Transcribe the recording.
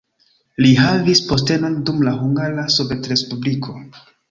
Li havis postenon dum la Hungara Sovetrespubliko.